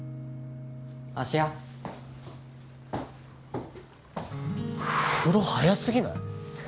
芦屋風呂早すぎない？